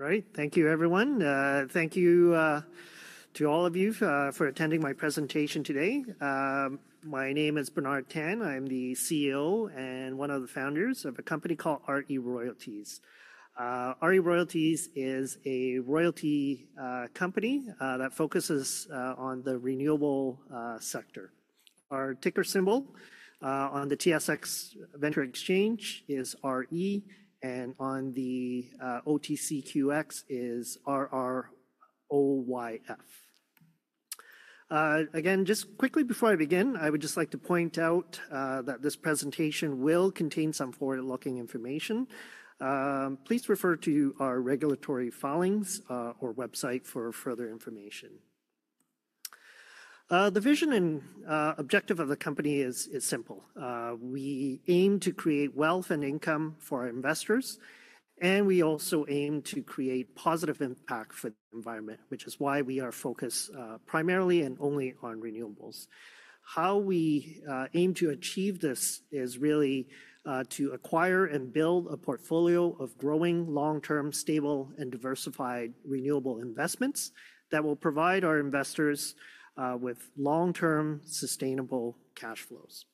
All right, thank you, everyone. Thank you to all of you for attending my presentation today. My name is Bernard Tan. I'm the CEO and one of the Founders of a company called RE Royalties. RE Royalties is a royalty company that focuses on the renewable sector. Our ticker symbol on the TSX Venture Exchange is RE, and on the OTCQX is RROYF. Again, just quickly before I begin, I would just like to point out that this presentation will contain some forward-looking information. Please refer to our regulatory filings or website for further information. The vision and objective of the company is simple. We aim to create wealth and income for our investors, and we also aim to create positive impact for the environment, which is why we are focused primarily and only on renewables. How we aim to achieve this is really to acquire and build a portfolio of growing, long-term, stable, and diversified renewable investments that will provide our investors with long-term, sustainable cash flows.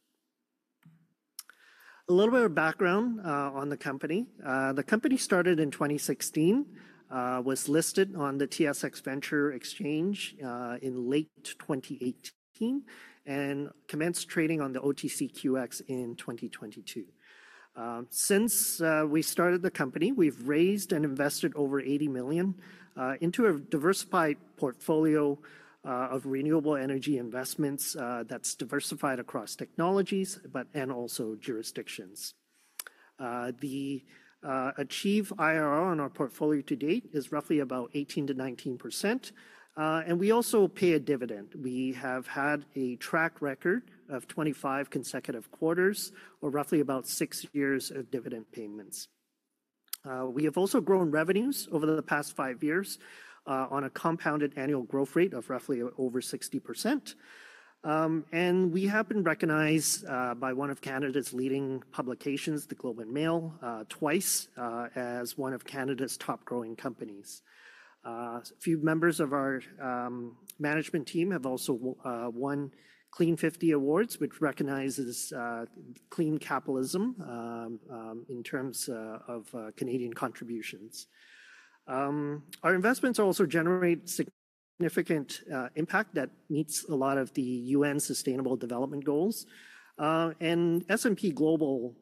A little bit of background on the company. The company started in 2016, was listed on the TSX Venture Exchange in late 2018, and commenced trading on the OTCQX in 2022. Since we started the company, we've raised and invested over 80 million into a diversified portfolio of renewable energy investments that's diversified across technologies and also jurisdictions. The achieved IRR on our portfolio to date is roughly about 18%-19%, and we also pay a dividend. We have had a track record of 25 consecutive quarters, or roughly about six years of dividend payments. We have also grown revenues over the past five years on a compounded annual growth rate of roughly over 60%. We have been recognized by one of Canada's leading publications, The Globe and Mail, twice as one of Canada's top growing companies. A few members of our management team have also won Clean 50 Awards, which recognizes clean capitalism in terms of Canadian contributions. Our investments also generate significant impact that meets a lot of the UN Sustainable Development Goals. S&P Global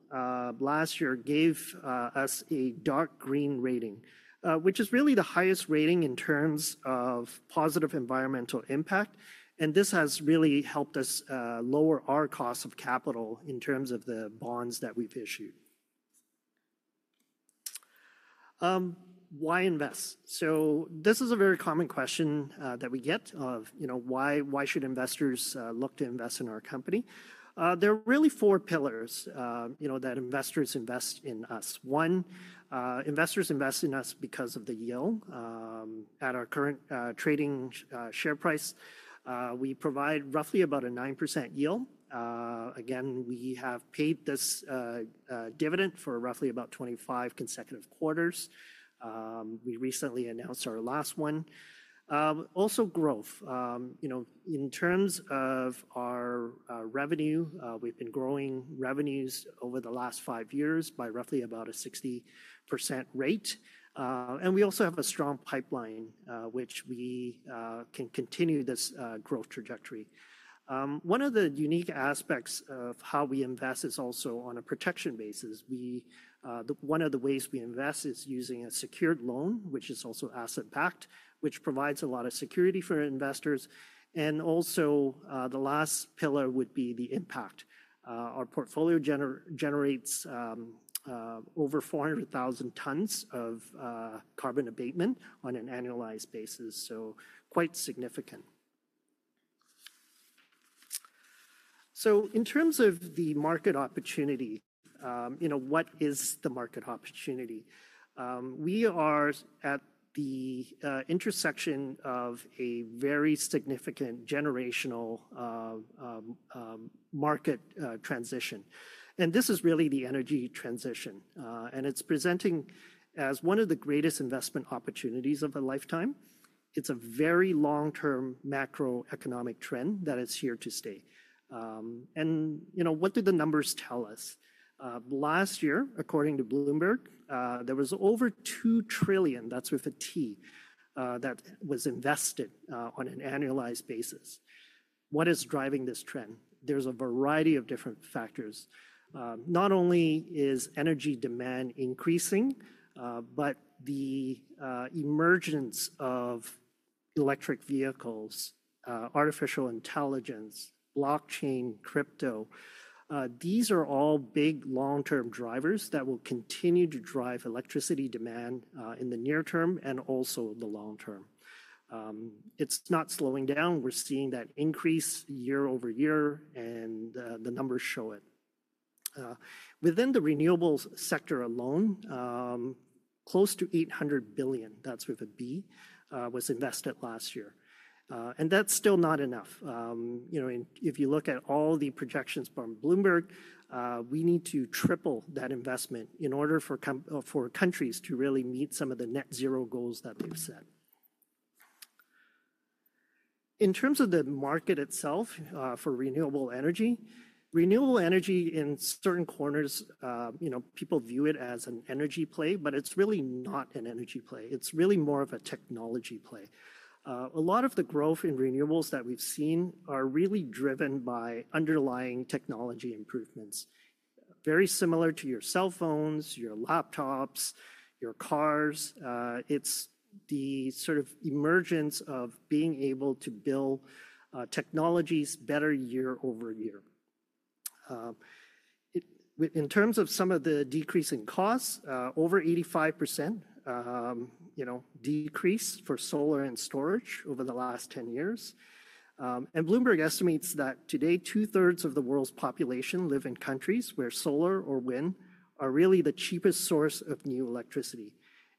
last year gave us a dark green rating, which is really the highest rating in terms of positive environmental impact. This has really helped us lower our cost of capital in terms of the bonds that we've issued. Why invest? This is a very common question that we get of, you know, why should investors look to invest in our company? There are really four pillars that investors invest in us. One, investors invest in us because of the yield. At our current trading share price, we provide roughly about a 9% yield. Again, we have paid this dividend for roughly about 25 consecutive quarters. We recently announced our last one. Also, growth. You know, in terms of our revenue, we've been growing revenues over the last five years by roughly about a 60% rate. And we also have a strong pipeline, which we can continue this growth trajectory. One of the unique aspects of how we invest is also on a protection basis. One of the ways we invest is using a secured loan, which is also asset-backed, which provides a lot of security for investors. Also, the last pillar would be the impact. Our portfolio generates over 400,000 tons of carbon abatement on an annualized basis, so quite significant. In terms of the market opportunity, you know, what is the market opportunity? We are at the intersection of a very significant generational market transition. This is really the energy transition. It is presenting as one of the greatest investment opportunities of a lifetime. It is a very long-term macroeconomic trend that is here to stay. You know, what do the numbers tell us? Last year, according to Bloomberg, there was over $2 trillion, that's with a T, that was invested on an annualized basis. What is driving this trend? There is a variety of different factors. Not only is energy demand increasing, but the emergence of electric vehicles, artificial intelligence, blockchain, crypto, these are all big long-term drivers that will continue to drive electricity demand in the near-term and also the long-term. It is not slowing down. We are seeing that increase year-over-year, and the numbers show it. Within the renewables sector alone, close to $800 billion, that's with a B, was invested last year. That's still not enough. You know, if you look at all the projections from Bloomberg, we need to triple that investment in order for countries to really meet some of the net zero goals that we've set. In terms of the market itself for renewable energy, renewable energy in certain corners, you know, people view it as an energy play, but it's really not an energy play. It's really more of a technology play. A lot of the growth in renewables that we've seen are really driven by underlying technology improvements. Very similar to your cell phones, your laptops, your cars, it's the sort of emergence of being able to build technologies better year-over-year. In terms of some of the decreasing costs, over 85% decrease for solar and storage over the last 10 years. Bloomberg estimates that today, two-thirds of the world's population live in countries where solar or wind are really the cheapest source of new electricity.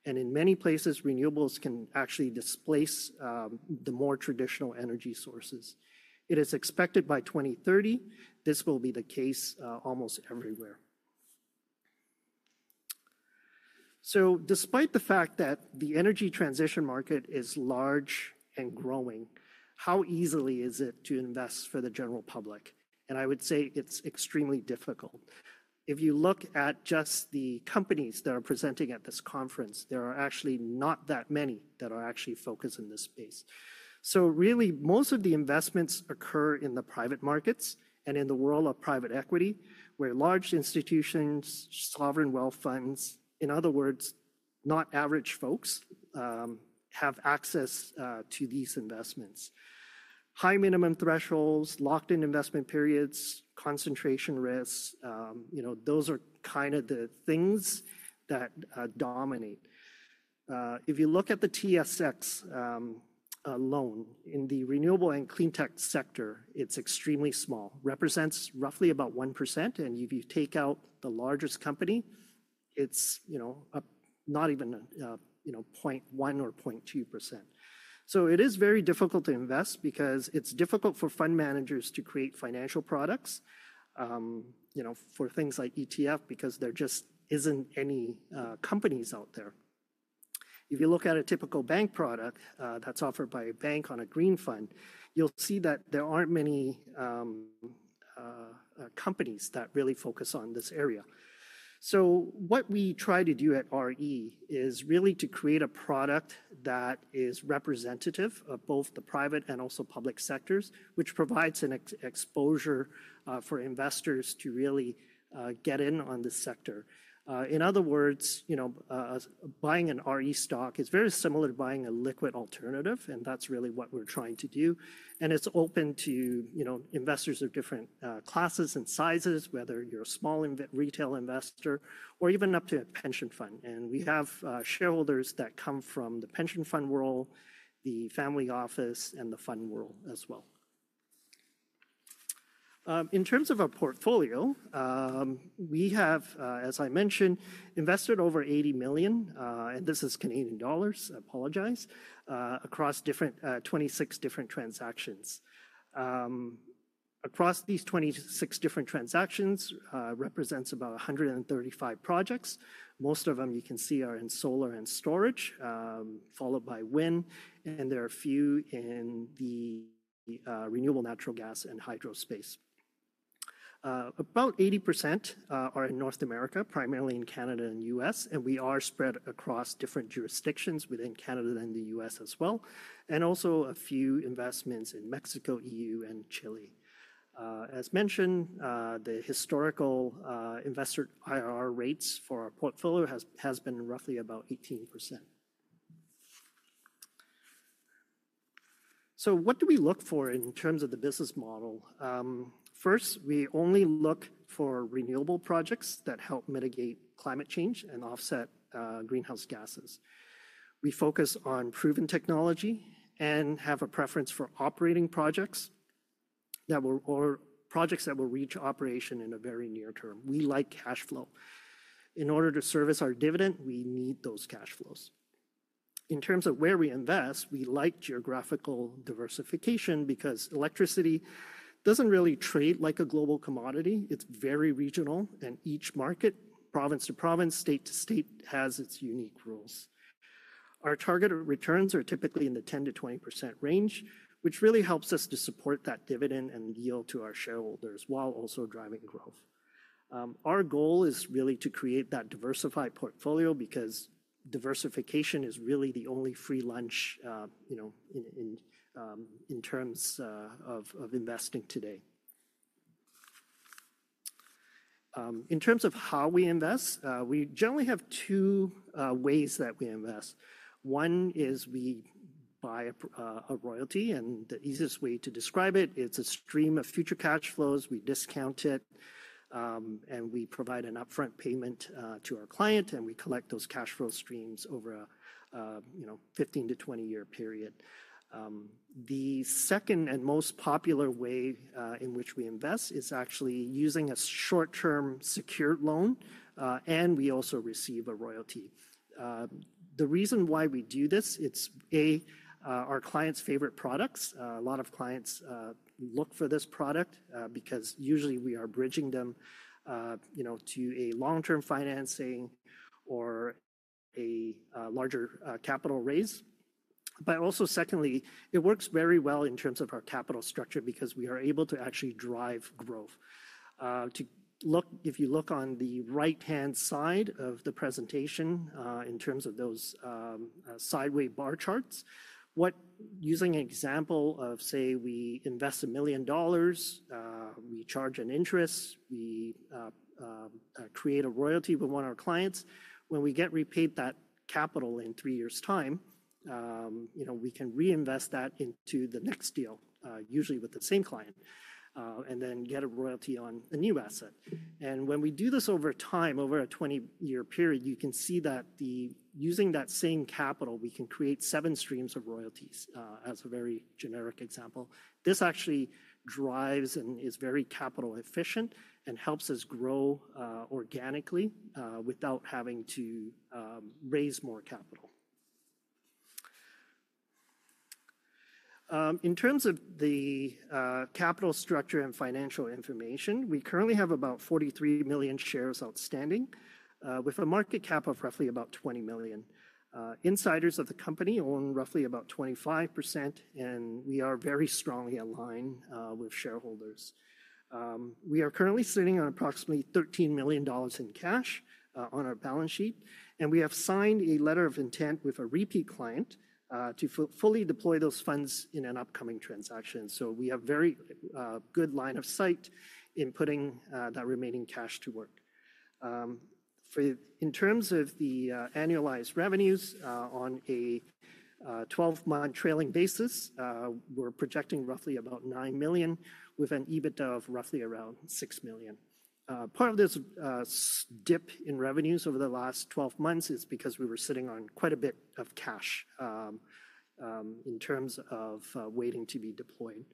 In many places, renewables can actually displace the more traditional energy sources. It is expected by 2030, this will be the case almost everywhere. Despite the fact that the energy transition market is large and growing, how easily is it to invest for the general public? I would say it's extremely difficult. If you look at just the companies that are presenting at this conference, there are actually not that many that are actually focused in this space. Really, most of the investments occur in the private markets and in the world of private equity, where large institutions, sovereign wealth funds, in other words, not average folks, have access to these investments. High minimum thresholds, locked-in investment periods, concentration risks, you know, those are kind of the things that dominate. If you look at the TSX alone, in the renewable and cleantech sector, it's extremely small, represents roughly about 1%. If you take out the largest company, it's, you know, not even, you know, 0.1% or 0.2%. It is very difficult to invest because it's difficult for fund managers to create financial products, you know, for things like ETF because there just isn't any companies out there. If you look at a typical bank product that's offered by a bank on a green fund, you'll see that there aren't many companies that really focus on this area. What we try to do at RE is really to create a product that is representative of both the private and also public sectors, which provides an exposure for investors to really get in on this sector. In other words, you know, buying an RE stock is very similar to buying a liquid alternative, and that's really what we're trying to do. It's open to, you know, investors of different classes and sizes, whether you're a small retail investor or even up to a pension fund. We have shareholders that come from the pension fund world, the family office, and the fund world as well. In terms of our portfolio, we have, as I mentioned, invested over 80 million, and this is Canadian dollars, I apologize, across 26 different transactions. Across these 26 different transactions represents about 135 projects. Most of them, you can see, are in solar and storage, followed by wind, and there are a few in the renewable natural gas and hydro space. About 80% are in North America, primarily in Canada and the U.S., and we are spread across different jurisdictions within Canada and the U.S. as well, and also a few investments in Mexico, European Union, and Chile. As mentioned, the historical investor IRR rates for our portfolio has been roughly about 18%. What do we look for in terms of the business model? First, we only look for renewable projects that help mitigate climate change and offset greenhouse gases. We focus on proven technology and have a preference for operating projects that will reach operation in a very near-term. We like cash flow. In order to service our dividend, we need those cash flows. In terms of where we invest, we like geographical diversification because electricity doesn't really trade like a global commodity. It's very regional, and each market, province to province, state to state, has its unique rules. Our target returns are typically in the 10%-20% range, which really helps us to support that dividend and yield to our shareholders while also driving growth. Our goal is really to create that diversified portfolio because diversification is really the only free lunch, you know, in terms of investing today. In terms of how we invest, we generally have two ways that we invest. One is we buy a royalty, and the easiest way to describe it, it's a stream of future cash flows. We discount it, and we provide an upfront payment to our client, and we collect those cash flow streams over a, you know, 15- to 20-year period. The second and most popular way in which we invest is actually using a short-term secured loan, and we also receive a royalty. The reason why we do this, it's A, our clients' favorite products. A lot of clients look for this product because usually we are bridging them, you know, to a long-term financing or a larger capital raise. Also, secondly, it works very well in terms of our capital structure because we are able to actually drive growth. If you look on the right-hand side of the presentation in terms of those sideway bar charts, using an example of, say, we invest $1 million, we charge an interest, we create a royalty with one of our clients, when we get repaid that capital in three years' time, you know, we can reinvest that into the next deal, usually with the same client, and then get a royalty on the new asset. When we do this over time, over a 20-year period, you can see that using that same capital, we can create seven streams of royalties, as a very generic example. This actually drives and is very capital efficient and helps us grow organically without having to raise more capital. In terms of the capital structure and financial information, we currently have about 43 million shares outstanding with a market cap of roughly about 20 million. Insiders of the company own roughly about 25%, and we are very strongly aligned with shareholders. We are currently sitting on approximately 13 million dollars in cash on our balance sheet, and we have signed a letter of intent with a repeat client to fully deploy those funds in an upcoming transaction. We have a very good line of sight in putting that remaining cash to work. In terms of the annualized revenues, on a 12-month trailing basis, we're projecting roughly about 9 million with an EBITDA of roughly around 6 million. Part of this dip in revenues over the last 12 months is because we were sitting on quite a bit of cash in terms of waiting to be deployed.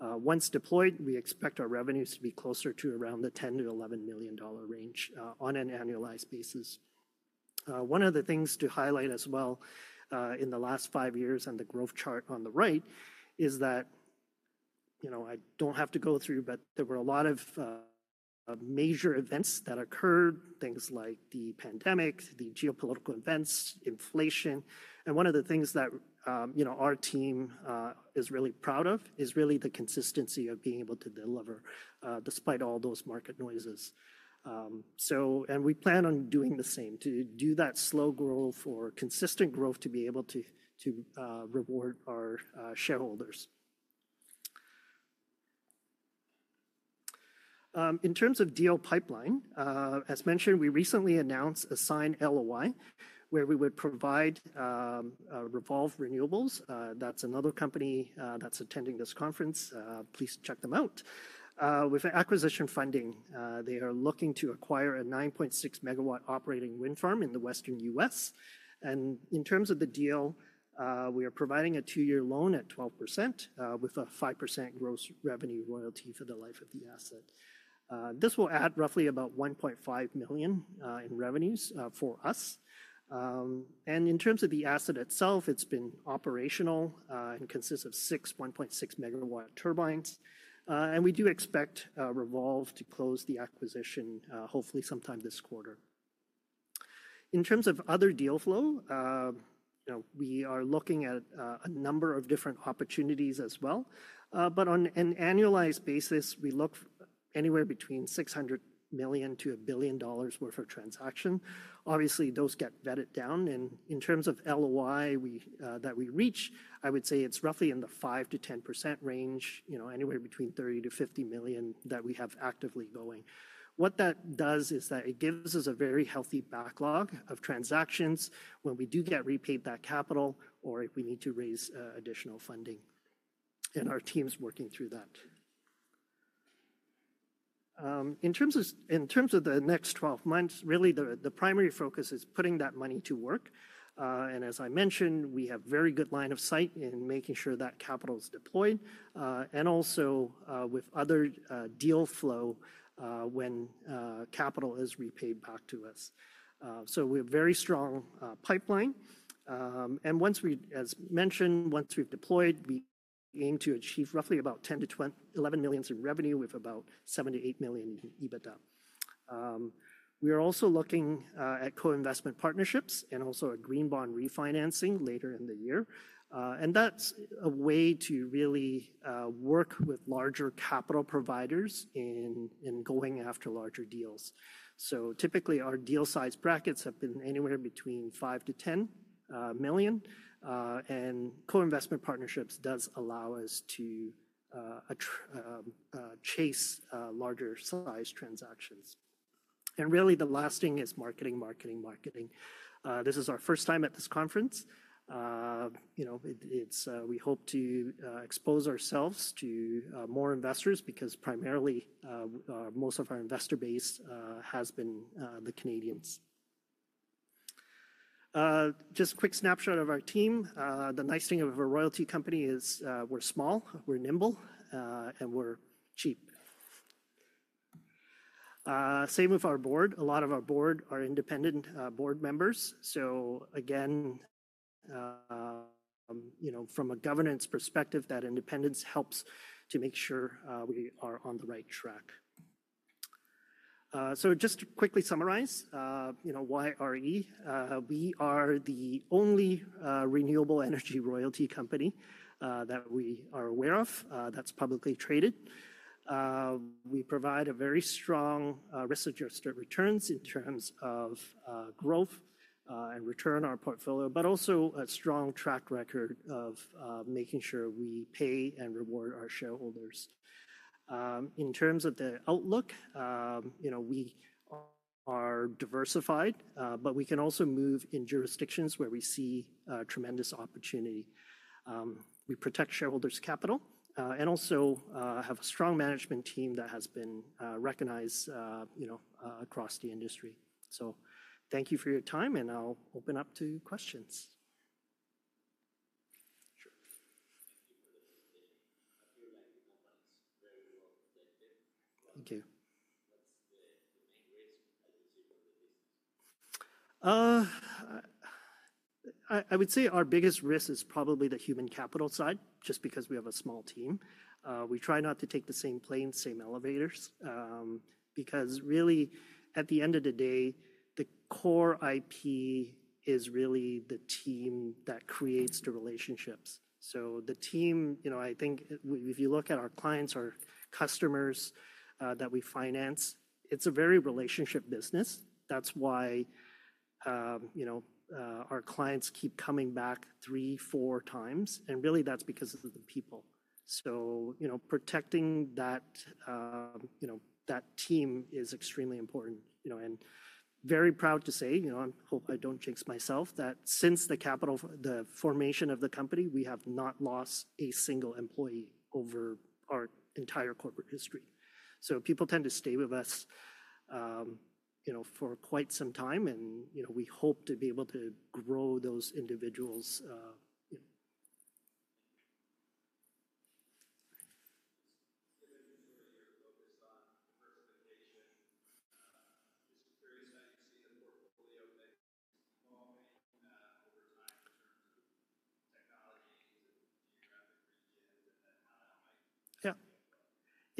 Once deployed, we expect our revenues to be closer to around the 10 million-11 million dollar range on an annualized basis. One of the things to highlight as well in the last five years on the growth chart on the right is that, you know, I do not have to go through, but there were a lot of major events that occurred, things like the pandemic, the geopolitical events, inflation. One of the things that, you know, our team is really proud of is really the consistency of being able to deliver despite all those market noises. We plan on doing the same to do that slow growth or consistent growth to be able to reward our shareholders. In terms of DO pipeline, as mentioned, we recently announced a signed LOI where we would provide Revolve Renewables, that is another company that is attending this conference, please check them out, with acquisition funding. They are looking to acquire a 9.6-MW operating wind farm in the Western U.S. In terms of the deal, we are providing a two-year loan at 12% with a 5% gross revenue royalty for the life of the asset. This will add roughly about $1.5 million in revenues for us. In terms of the asset itself, it's been operational and consists of six 1.6-MW turbines. We do expect Revolve to close the acquisition hopefully sometime this quarter. In terms of other deal flow, you know, we are looking at a number of different opportunities as well. On an annualized basis, we look anywhere between $600 million-$1 billion worth of transaction. Obviously, those get vetted down. In terms of LOI that we reach, I would say it's roughly in the 5%-10% range, you know, anywhere between $30 million-$50 million that we have actively going. What that does is that it gives us a very healthy backlog of transactions when we do get repaid that capital or if we need to raise additional funding. Our team's working through that. In terms of the next 12 months, really the primary focus is putting that money to work. As I mentioned, we have a very good line of sight in making sure that capital is deployed and also with other deal flow when capital is repaid back to us. We have a very strong pipeline. Once we, as mentioned, once we've deployed, we aim to achieve roughly about $10 million-$11 million in revenue with about $7 million-$8 million in EBITDA. We are also looking at co-investment partnerships and also a green bond refinancing later in the year. That's a way to really work with larger capital providers in going after larger deals. Typically, our deal size brackets have been anywhere between $5 million-$10 million. Co-investment partnerships do allow us to chase larger size transactions. Really, the last thing is marketing, marketing, marketing. This is our first time at this conference. You know, we hope to expose ourselves to more investors because primarily most of our investor base has been the Canadians. Just a quick snapshot of our team. The nice thing of a royalty company is we're small, we're nimble, and we're cheap. Same with our board. A lot of our board are independent board members. Again, you know, from a governance perspective, that independence helps to make sure we are on the right track. Just to quickly summarize, you know, why RE? We are the only renewable energy royalty company that we are aware of that's publicly traded. We provide a very strong risk-adjusted returns in terms of growth and return on our portfolio, but also a strong track record of making sure we pay and reward our shareholders. In terms of the outlook, you know, we are diversified, but we can also move in jurisdictions where we see tremendous opportunity. We protect shareholders' capital and also have a strong management team that has been recognized, you know, across the industry. Thank you for your time, and I'll open up to questions. Sure. Thank you for the presentation. Your banking company is very well protected. Thank you. What's the main risk, as you see from the business? I would say our biggest risk is probably the human capital side, just because we have a small team. We try not to take the same plane, same elevators, because really, at the end of the day, the core IP is really the team that creates the relationships. The team, you know, I think if you look at our clients, our customers that we finance, it's a very relationship business. That's why, you know, our clients keep coming back three, four times. Really, that's because of the people. You know, protecting that, you know, that team is extremely important. You know, and very proud to say, you know, I hope I don't jinx myself that since the formation of the company, we have not lost a single employee over our entire corporate history. People tend to stay with us, you know, for quite some time, and, you know, we hope to be able to grow those individuals. Given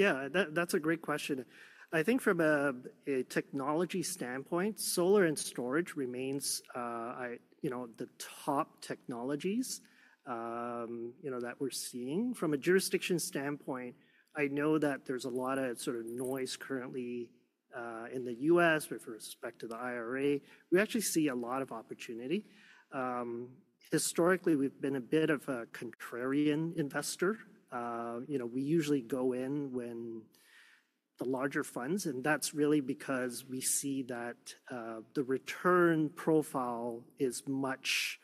your focus on diversification, just curious how you see the portfolio evolving over time in terms of technologies and geographic region and then how that might. Yeah, that's a great question. I think from a technology standpoint, solar and storage remains, you know, the top technologies, you know, that we're seeing. From a jurisdiction standpoint, I know that there's a lot of sort of noise currently in the U.S. with respect to the IRA. We actually see a lot of opportunity. Historically, we've been a bit of a contrarian investor. You know, we usually go in when the larger funds, and that's really because we see that the return profile is much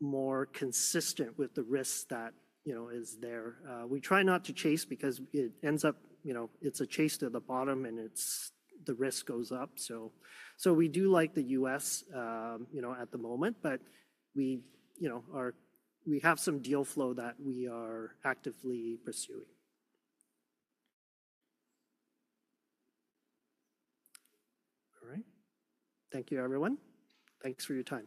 more consistent with the risk that, you know, is there. We try not to chase because it ends up, you know, it's a chase to the bottom and the risk goes up. We do like the U.S., you know, at the moment, but we, you know, we have some deal flow that we are actively pursuing. All right. Thank you, everyone. Thanks for your time.